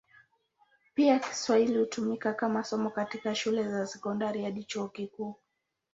Pia Kiswahili hutumika kama somo katika shule za sekondari hadi chuo kikuu.